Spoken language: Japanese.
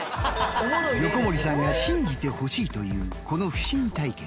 横森さんが信じてほしいというこの不思議体験。